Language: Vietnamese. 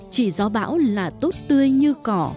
chỉ gió bão là tốt tươi như cỏ